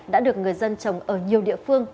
đã được người dân trồng ở nhiều địa phương